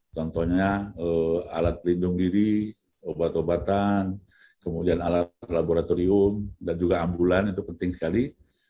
contohnya alat pelindung diri obat obatan kemudian alat laboratorium dan juga ambulan itu penting sekali